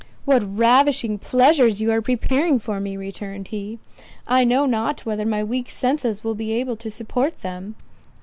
"What ravishing pleasures you are preparing for me!" returned he—"I know not whether my weak senses will be able to support them!"